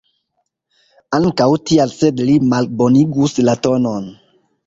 Ankaŭ tial, sed li malbonigus la tonon.